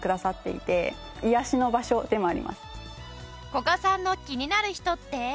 古賀さんの気になる人って？